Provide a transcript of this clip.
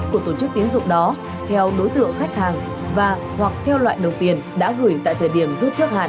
của tổ chức tiến dụng đó theo đối tượng khách hàng và hoặc theo loại đồng tiền đã gửi tại thời điểm rút trước hạn